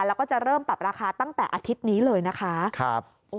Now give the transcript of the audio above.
แล้วก็จะเริ่มปรับราคาตั้งแต่อาทิตย์นี้เลยนะคะ